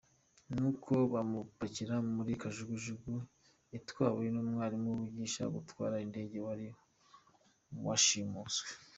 Nuko bamupakira muri kajugujugu itwawe n'umwarimu wigisha gutwara indege wari washimuswe.